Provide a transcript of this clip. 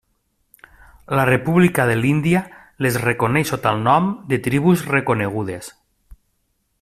La República de l'Índia les reconeix sota el nom de tribus reconegudes.